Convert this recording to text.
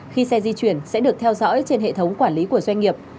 khi xe di chuyển sẽ được theo dõi trên hệ thống quản lý của doanh nghiệp